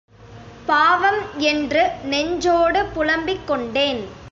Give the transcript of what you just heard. பாவம் என்று நெஞ்சோடு புலம்பிக் கொண்டேன்.